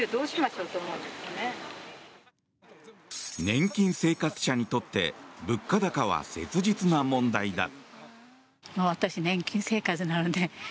年金生活者にとって物価高は切実な問題だ。